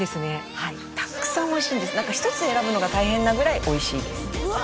はいたくさんおいしいんですなんか一つ選ぶのが大変なぐらいおいしいですうわ